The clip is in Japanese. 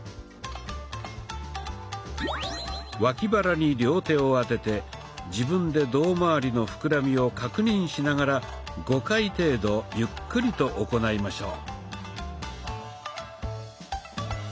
脇腹に両手を当てて自分で胴まわりの膨らみを確認しながら５回程度ゆっくりと行いましょう。